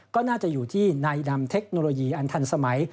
ก็น่าจะอยู่ที่ในนำเทคโนโลยีอันทันสมัย